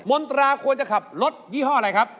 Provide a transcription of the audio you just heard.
มนตราควรจะขับรถยี่ห้ออะไรครับ